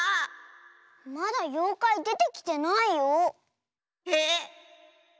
まだようかいでてきてないよ。へ？